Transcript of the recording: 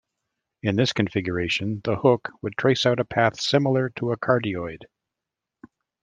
In this configuration, the hook would trace out a path similar to a cardioid.